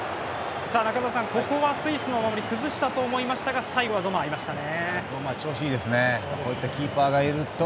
さあ中澤さん、ここはスイスの守り崩したと思いましたが最後はゾマーがいましたね。